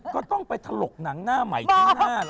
ก็ต้องไปถลกหนังหน้าใหม่ข้างหน้าล่ะ